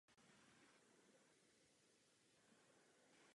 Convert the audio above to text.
Fotografoval rovněž sport.